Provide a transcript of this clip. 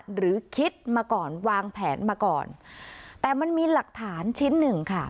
หรือคิดมาก่อนวางแผนมาก่อนแต่มันมีหลักฐานชิ้นหนึ่งค่ะ